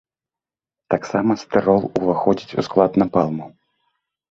Таксама стырол ўваходзіць у склад напалму.